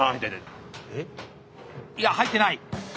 いや入ってない！